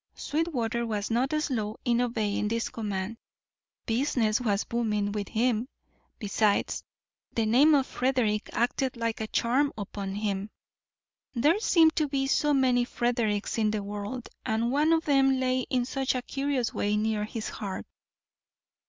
Sweetwater was not slow in obeying this command. Business was booming with him. Besides, the name of Frederick acted like a charm upon him. There seemed to be so many Fredericks in the world, and one of them lay in such a curious way near his heart.